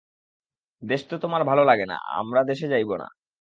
দেশ তো তোমার ভালো লাগে না–আমরা দেশে যাইব না।